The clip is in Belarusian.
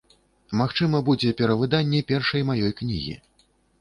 Магчыма, будзе перавыданне першай маёй кнігі.